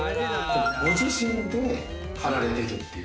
ご自身で貼られてるという。